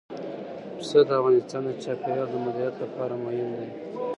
پسه د افغانستان د چاپیریال د مدیریت لپاره مهم دي.